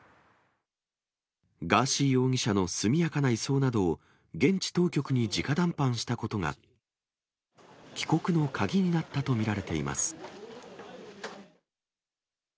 ガーシー容疑者の速やかな移送などを現地当局にじか談判したことが、帰国の鍵になったと見られています。